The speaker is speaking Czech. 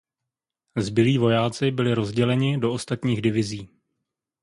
Zbylí vojáci byli rozděleni do ostatních divizí.